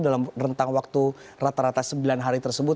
dalam rentang waktu rata rata sembilan hari tersebut